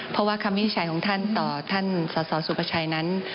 เพราะว่าคำวินิจฉัยของท่านต่อท่านสสสุภาชัยนั้น